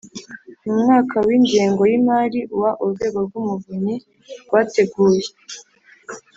Mu mwaka w ingengo y imari wa Urwego rw Umuvunyi rwateguye